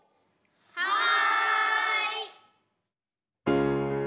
はい！